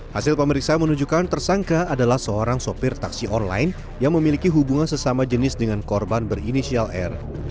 hasil pemeriksaan menunjukkan tersangka adalah seorang sopir taksi online yang memiliki hubungan sesama jenis dengan korban berinisial r